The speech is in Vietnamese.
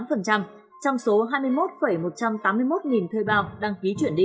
trong số hai mươi một một trăm tám mươi một nghìn thuê bao đăng ký chuyển đi